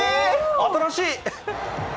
新しい！